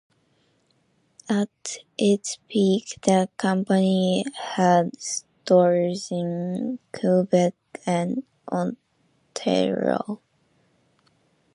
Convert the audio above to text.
At its peak, the company had stores in Quebec and Ontario.